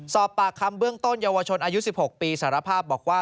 สอบปากคำเบื้องต้นเยาวชนอายุ๑๖ปีสารภาพบอกว่า